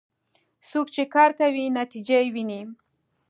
څوک چې کار کوي، نتیجه یې ويني.